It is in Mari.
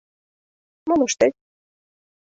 — Мом ыштет?